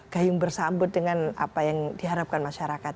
gayung bersambut dengan apa yang diharapkan masyarakat